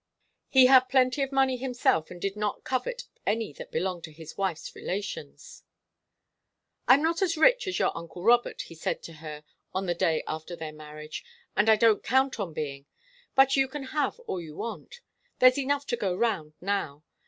He had plenty of money himself and did not covet any that belonged to his wife's relations. "I'm not as rich as your uncle Robert," he said to her on the day after their marriage, "and I don't count on being. But you can have all you want. There's enough to go round, now.